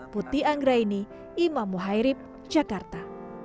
putih anggra ini imam muhairib jakarta